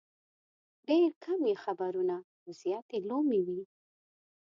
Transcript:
ډېر کم یې خبرونه او زیات یې لومې وي.